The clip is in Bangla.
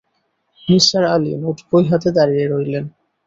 নিসার আলি নোটবই হাতে দাঁড়িয়ে রইলেন।